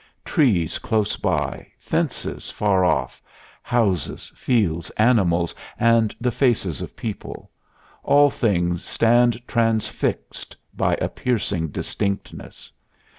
Trees close by, fences far off, houses, fields, animals and the faces of people all things stand transfixed by a piercing distinctness.